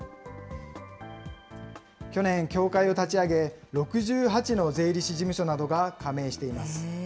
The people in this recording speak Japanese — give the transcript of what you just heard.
去年、協会を立ち上げ、６８の税理士事務所などが加盟しています。